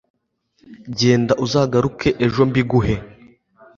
Genda uzagaruke ejo mbiguhe